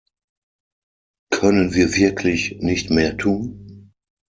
Können wir wirklich nicht mehr tun?